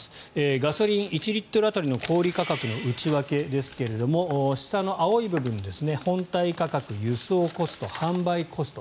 ガソリン１リットル当たりの小売価格の内訳ですが下の青い部分本体価格輸送コスト、販売コスト